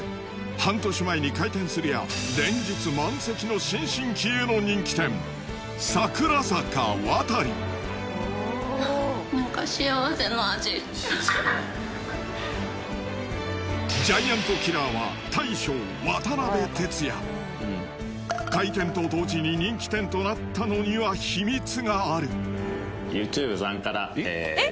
半年前に開店するや新進気鋭のジャイアントキラーは大将開店と同時に人気店となったのには秘密がある！